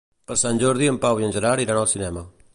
Per Sant Jordi en Pau i en Gerard iran al cinema.